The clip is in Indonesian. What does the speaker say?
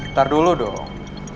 ntar dulu dong